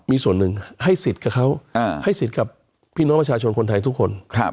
มีส่วนหนึ่งให้สิทธิ์กับเขาให้สิทธิ์กับพี่น้องประชาชนคนไทยทุกคน